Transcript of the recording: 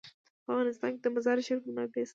په افغانستان کې د مزارشریف منابع شته.